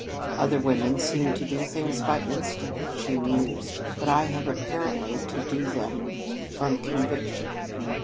"Other women seem to do things by instinct," she mused, "but I have, apparently, to do them from conviction.